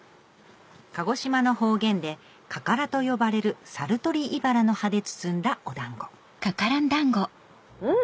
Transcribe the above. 鹿児島の方言で「かから」と呼ばれるサルトリイバラの葉で包んだお団子ん！